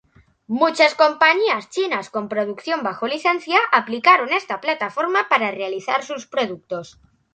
Muchas compañías chinas con producción bajo licencia aplicaron esta plataforma para realizar sus productos.